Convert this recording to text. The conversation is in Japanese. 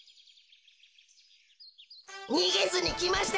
にげずにきましたか？